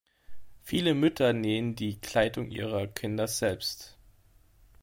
Viele Mütter nähen die Kleidung ihrer Kinder selbst.